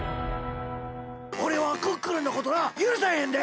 おれはクックルンのことはゆるさへんで！